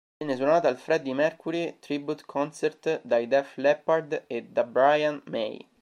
Venne suonata al Freddie Mercury Tribute Concert dai Def Leppard e da Brian May.